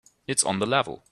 It's on the level.